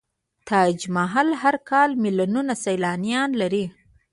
تاج محل هر کال میلیونونه سیلانیان لري.